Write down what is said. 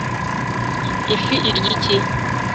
ifi irya iki